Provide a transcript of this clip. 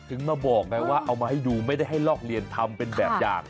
มาบอกไงว่าเอามาให้ดูไม่ได้ให้ลอกเรียนทำเป็นแบบอย่าง